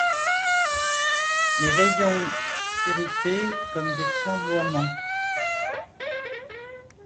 Les rayons s’irriter comme des flamboiements